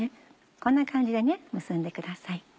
こんな感じで結んでください。